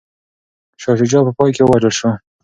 شاه شجاع په پای کي ووژل شو.